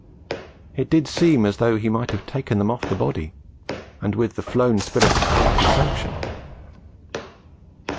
It did seem as though he might have taken them off the body, and with the flown spirit's hearty sanction.